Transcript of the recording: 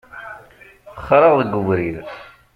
Xraɣ deg ubrid.